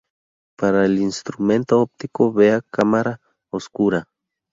Para el instrumento óptico vea Cámara oscura".